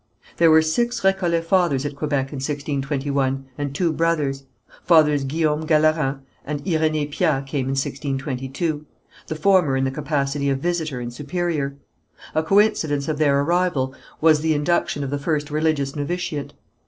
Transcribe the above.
There were six Récollet fathers at Quebec in 1621, and two brothers. Fathers Guillaume Galleran and Irénée Piat came in 1622, the former in the capacity of visitor and superior. A coincidence of their arrival was the induction of the first religious novitiate.